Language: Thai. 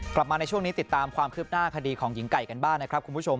กลับมาในช่วงนี้ติดตามความคืบหน้าคดีของหญิงไก่กันบ้างนะครับคุณผู้ชม